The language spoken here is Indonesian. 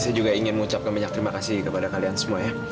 saya juga ingin mengucapkan banyak terima kasih kepada kalian semua ya